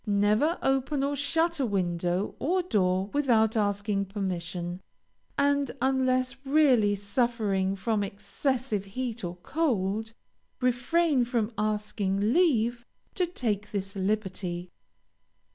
Never open or shut a window or door without asking permission, and unless really suffering from excessive heat or cold, refrain from asking leave to take this liberty.